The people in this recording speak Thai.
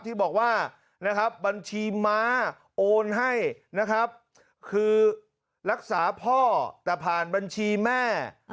ที่บอกว่าบัญชีม้าโอนให้คือรักษาพ่อแต่ผ่านบัญชีแม่